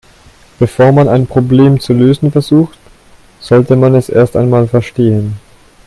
Bevor man ein Problem zu lösen versucht, sollte man es erst einmal verstehen.